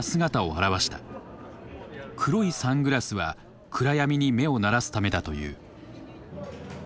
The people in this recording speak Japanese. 黒いサングラスは暗闇に目を慣らすためだという。